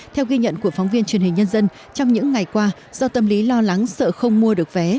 theo ghi nhận của phóng viên truyền hình nhân dân trong những ngày qua do tâm lý lo lắng sợ không mua được vé